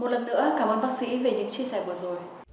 một lần nữa cảm ơn bác sĩ về những chia sẻ vừa rồi